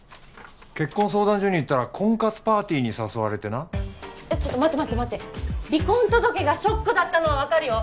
結婚相談所に行ったら婚活パーティーに誘われてなえっちょっと待って待って待って離婚届がショックだったのは分かるよ